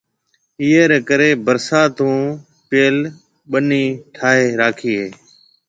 ايئيَ رَي ڪرَي ڀرسات ھون پيل ٻنِي ٺائيَ راکيَ ھيََََ